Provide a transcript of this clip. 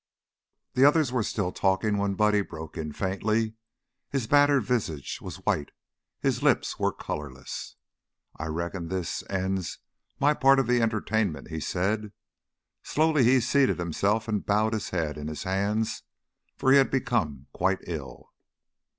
The others were still talking when Buddy broke in faintly. His battered visage was white, his lips were colorless. "I reckon this ends my part of the entertainment," said he. Slowly he seated himself and bowed his head in his hands, for he had become quite ill.